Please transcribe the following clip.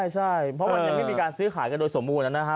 ใช่เพราะมันยังไม่มีการซื้อขายกันโดยสมบูรณนะฮะ